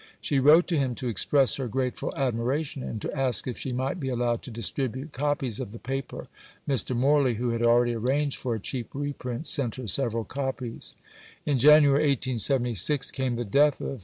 She wrote to him to express her grateful admiration and to ask if she might be allowed to distribute copies of the paper. Mr. Morley, who had already arranged for a cheap reprint, sent her several copies. In January 1876 came the death of M.